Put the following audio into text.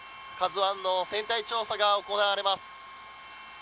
ＫＡＺＵ１の船体調査が行われます。